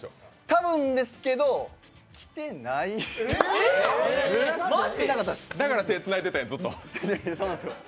多分ですけどきてないだから手、つないでたんや、ずっと。